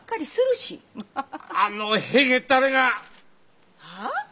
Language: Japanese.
あのへげたれが！はっ？